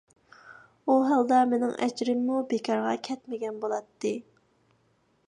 ئۇ ھالدا مېنىڭ ئەجرىممۇ بىكارغا كەتمىگەن بولاتتى.